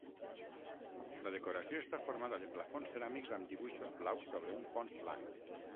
La decoració està formada de plafons ceràmics amb dibuixos blaus sobre un fons blanc.